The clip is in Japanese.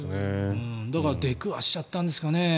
だから出くわしちゃったんですかね。